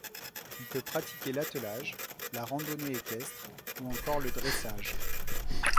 Il peut pratiquer l'attelage, la randonnée équestre, ou encore le dressage.